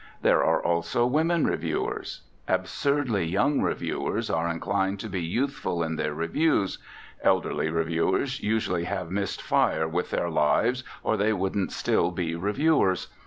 There are also women reviewers. Absurdly young reviewers are inclined to be youthful in their reviews. Elderly reviewers usually have missed fire with their lives, or they wouldn't still be reviewers.